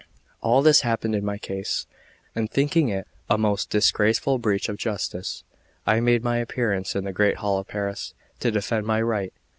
All this happened in my case, and thinking it a most disgraceful breach of justice, I made my appearance in the great hall of Paris, to defend my right.